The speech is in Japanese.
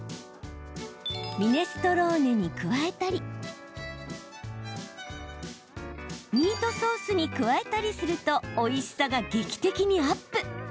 ミネストローネに加えたりミートソースに加えたりするとおいしさが劇的にアップ。